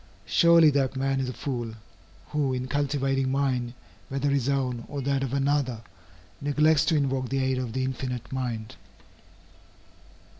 Surely that man is a fool, who in cultivating mind, whether his own or that of another, neglects to invoke the aid of the Infinite Mind.